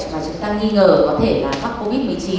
mà chúng ta nghi ngờ có thể là mắc covid một mươi chín